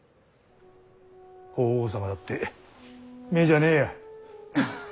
法皇様だって目じゃねえや。